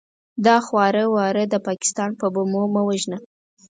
دا خواره واره د پاکستان په بمو مه وژنه!